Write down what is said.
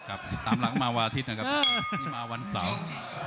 ตามหลังมาวันอาทิตย์นะครับนี่มาวันเสาร์